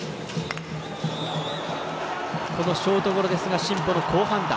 このショートゴロですが新保の好判断。